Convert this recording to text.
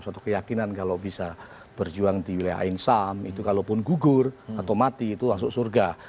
suatu keyakinan kalau bisa berjuang di wilayah ainsam itu kalaupun gugur atau mati itu masuk surga